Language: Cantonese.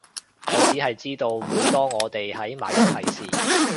我只係知道每當我哋喺埋一齊時